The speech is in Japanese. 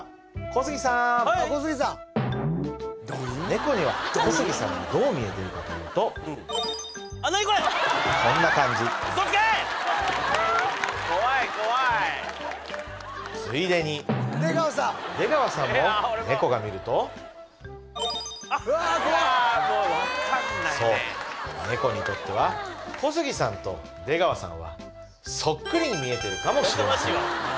猫には小杉さんがどう見えてるかというとこんな感じ怖い怖いついでに出川さんも猫が見るとそう猫にとっては小杉さんと出川さんはそっくりに見えてるかもしれません